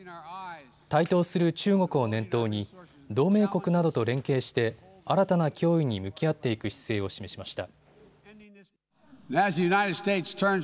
台頭する中国を念頭に同盟国などと連携して新たな脅威に向き合っていく姿勢を示しました。